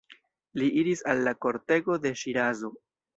Li iris al la kortego de Ŝirazo.